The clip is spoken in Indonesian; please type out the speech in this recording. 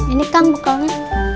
ini kan bukalnya